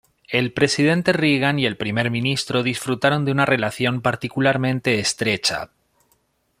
El presidente Reagan y el primer ministro disfrutaron de una relación particularmente estrecha.